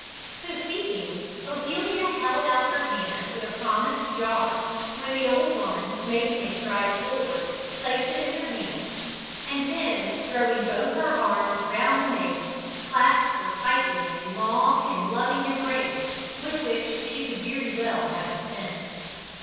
So speaking, Ophelia held out her hand for the promised jar, when the old woman, making a stride forward, placed it in her hands, and then, throwing both her arms round the maiden, clasped her tightly in a long and loving embrace with which she could very well have dispensed.